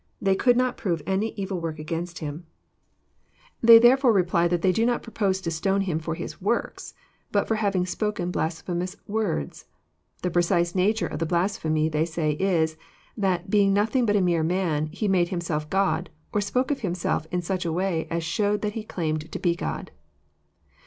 They could not prove any evil wo'rk^against Him. They JOHN, CHAP. X. 221 therefore reply that they do not propose to stone Him for His works, bat for having spoken blasphemous words. The precise nature of the blasphemy they say is, that '^ being nothing bat a mere man, He made Himself God, or spol3:e of Himself in such a way as showed that He claimed to be God."